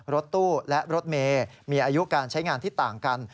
รถตู้และรถเมย์มีอายุการใช้งานที่ต่างกัน